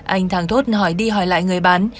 anh tháng thốt hỏi đi hỏi lại người bán